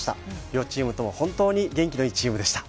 両チームとも本当に元気のいいチームでした。